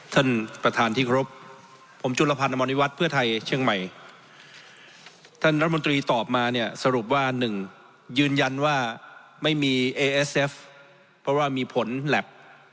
ท่านประธานที่เคารพผมจุลพันธ์อมรณิวัฒน์เพื่อไทยเชียงใหม่ท่านรัฐมนตรีตอบมาเนี่ยสรุปว่าหนึ่งยืนยันว่าไม่มีเอเอสเอฟเพราะว่ามีผลแล็บ